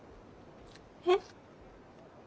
えっ？